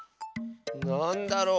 なんだろう。